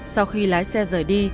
sau khi lái xe rời đi